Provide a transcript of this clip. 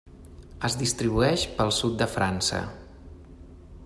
Es distribueix pel sud de França.